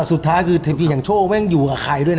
สุดท้ายคือเทพีอย่างโชคแม่งอยู่กับใครด้วยนะ